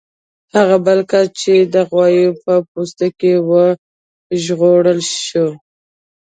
هغه بل کس چې د غوايي په پوستکي کې و وژغورل شو.